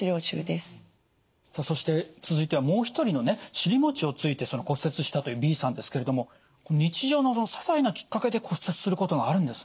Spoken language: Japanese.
さあそして続いてはもう一人のね尻もちをついて骨折したというＢさんですけれども日常のささいなきっかけで骨折することがあるんですね。